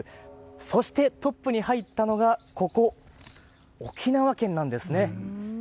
そして、トップに入ったのが、ここ、沖縄県なんですね。